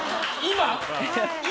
今？